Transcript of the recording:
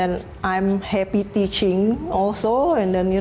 dan saya juga senang mengajar